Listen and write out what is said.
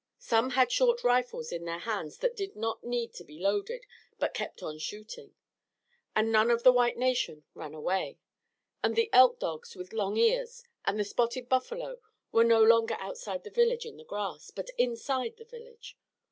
Some had short rifles in their hands that did not need to be loaded, but kept on shooting. And none of the white nation ran away. And the elk dogs with long ears, and the spotted buffalo, were no longer outside the village in the grass, but inside the village.